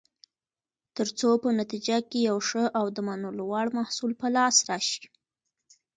ترڅو په نتیجه کې یو ښه او د منلو وړ محصول په لاس راشي.